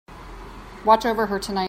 Watch over her tonight.